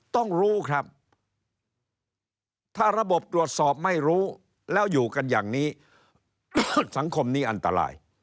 ต้องรู้ครับถ้าระบบตรวจสอบไม่รู้แล้วอยู่กันอย่างนี้สังคมนี้อันตราย